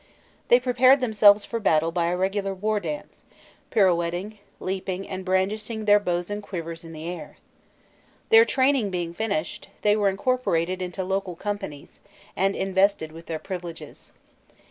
They prepared themselves for battle by a regular war dance, pirouetting, leaping, and brandishing their bows and quivers in the air. Their training being finished, they were incorporated into local companies, and invested with their privileges.